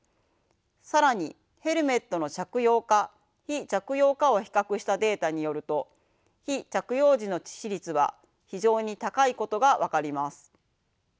更にヘルメットの着用か非着用かを比較したデータによると非着用時の致死率は非常に高いことが分かります。